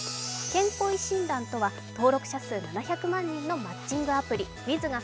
健恋診断とは登録者数７００万人のマッチングアプリｗｉｔｈが